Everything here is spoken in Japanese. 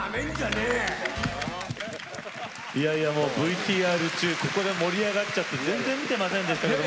ＶＴＲ中ここで盛り上がっちゃって全然見てませんでしたけど。